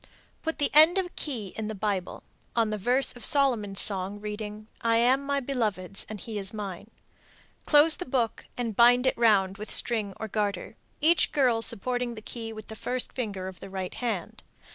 Put the end of a key in the Bible, on the verse of Solomon's Song reading, "I am my beloved's and he is mine;" close the book and bind it round with string or garter, each girl supporting the key with the first finger of the right hand.